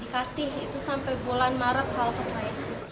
dikasih itu sampai bulan maret kalau kesalahan